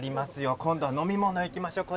今度は飲み物にいきましょう。